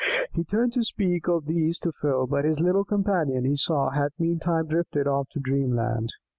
He turned to speak of these to Phil; but his little companion, he saw, had meantime drifted off to dreamland.